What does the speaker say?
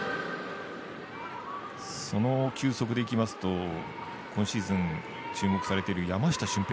その球速でいきますと今シーズン、注目されている山下舜平